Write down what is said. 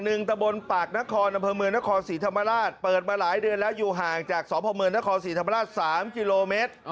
ตะบนปากนครอำเภอเมืองนครศรีธรรมราชเปิดมาหลายเดือนแล้วอยู่ห่างจากสพเมืองนครศรีธรรมราช๓กิโลเมตร